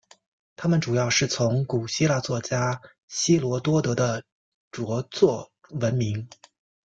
他们主要是从古希腊作家希罗多德的着作闻名。